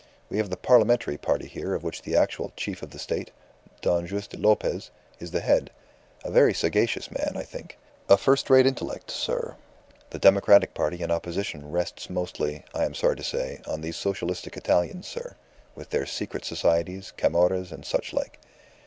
We have the Parliamentary party here of which the actual Chief of the State, Don Juste Lopez, is the head; a very sagacious man, I think. A first rate intellect, sir. The Democratic party in opposition rests mostly, I am sorry to say, on these socialistic Italians, sir, with their secret societies, camorras, and such like.